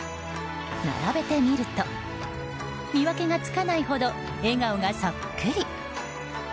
並べてみると見分けがつかないほど笑顔がそっくり。